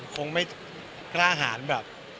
คงไม่กล้าหารแบบ